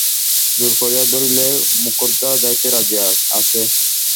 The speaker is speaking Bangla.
জোর করিয়া ধরিলে মোক্ষদা যাইতে রাজি আছে।